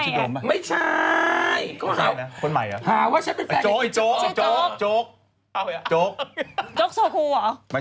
ชอบกินอาหารหนลหรืออะไร